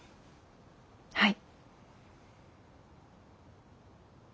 はい。